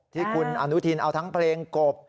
ที่คุณอนุทินเอาทั้งเพลงกบ